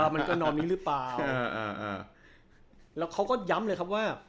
มันคือพันธุ์เดี่ยวหรือเปล่า